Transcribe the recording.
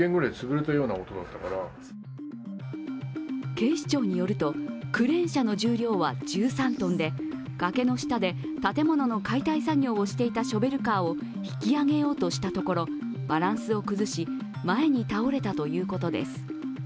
警視庁によると、クレーン車の重量は１３ｔで崖の下で建物の解体作業をしていたショベルカーを引き上げようとしたところ、バランスを崩し、前に倒れたということです。